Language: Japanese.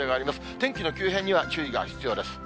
天気の急変には注意が必要です。